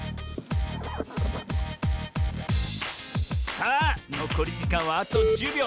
さあのこりじかんはあと１０びょう。